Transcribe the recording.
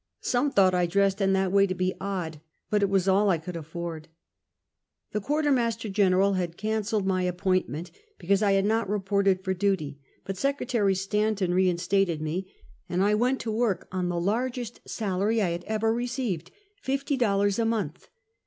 Some thought I dressed in that way to be odd, but it was all I could afibrd. The Quarter Master General had canceled my ap pointment, because I had not reported for duty, but Secretary Stanton reinstated me, and I went to work 296 Half a Century. on tlie largest salary I had ever received — fifty dollars a month.